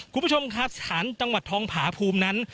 คุณผู้ชมครับสถานจังหวัดทองผาภูมินั้น